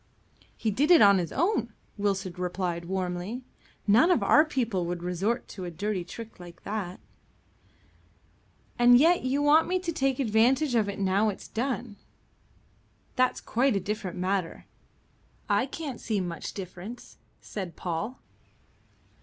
"He did it on his own," Wilson replied warmly. "None of our people would resort to a dirty trick like that." "And yet you want me to take advantage of it now it's done." "That's quite a different matter." "I can't see much difference," said Paul.